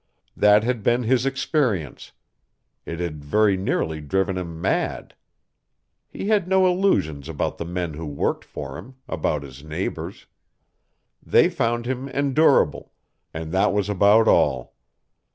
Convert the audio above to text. That had been his experience. It had very nearly driven him mad. He had no illusions about the men who worked for him, about his neighbors. They found him endurable, and that was about all.